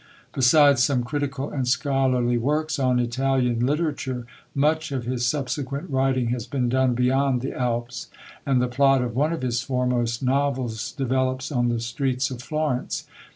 Besides some critical and scholarly works on Italian literature, much of his subsequent writing has been done beyond the Alps, and the plot of one of his foremost novels develops on the streets of Florence.